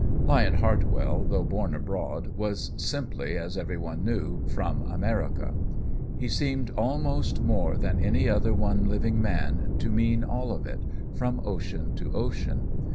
Lyon Hartwell, though born abroad, was simply, as every one knew, "from America." He seemed, almost more than any other one living man, to mean all of it from ocean to ocean.